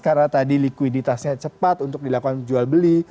karena tadi likuiditasnya cepat untuk dilakukan jual beli